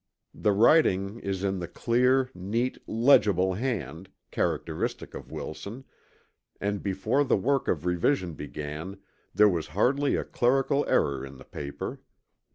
The writing is in the clear, neat, legible hand, characteristic of Wilson, and before the work of revision began, there was hardly a clerical error in the paper.